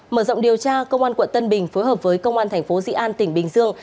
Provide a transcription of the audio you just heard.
mở rộng điều tra công an quận tân bình phối hợp với công an tp di an tỉnh bình dương